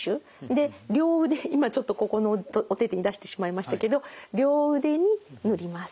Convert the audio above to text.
で両腕今ちょっとここのお手々に出してしまいましたけど両腕に塗ります。